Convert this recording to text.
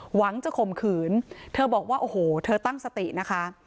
หวังจะข่มขืนเธอบอกว่าโอ้โหเธอตั้งสตินะคะ